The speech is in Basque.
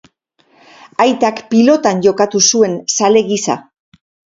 Aitak pilotan jokatu zuen zale gisa.